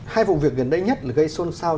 hai vụ việc gần đây nhất gây xôn xao